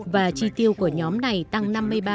và chi tiêu của nhóm này tăng năm mươi ba